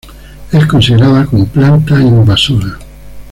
Es considerada como planta invasora.